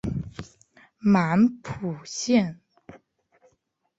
满浦线